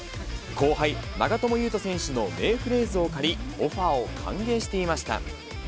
後輩、長友佑都選手の名フレーズを借り、オファーを歓迎していました。